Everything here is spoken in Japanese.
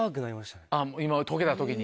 今解けた時に。